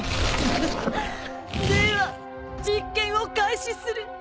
ウフフでは実験を開始する。